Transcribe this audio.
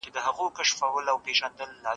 هغوی به زده کړي وي.